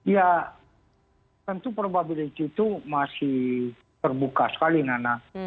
ya tentu probability itu masih terbuka sekali nana